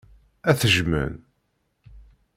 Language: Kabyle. Ad t-jjmen.